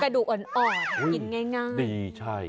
ดูอ่อนกินง่ายดีใช่